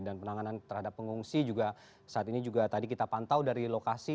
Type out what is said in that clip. dan penanganan terhadap pengungsi juga saat ini juga tadi kita pantau dari lokasi